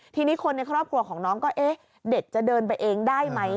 ทีนี้คนในครอบครัวของน้องก็เอ๊ะเด็กจะเดินไปเองได้ไหม